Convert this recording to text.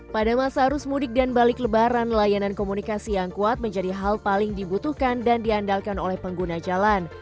pada masa arus mudik dan balik lebaran layanan komunikasi yang kuat menjadi hal paling dibutuhkan dan diandalkan oleh pengguna jalan